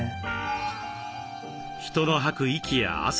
人の吐く息や汗。